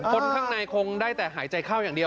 คนข้างในคงได้แต่หายใจเข้าอย่างเดียว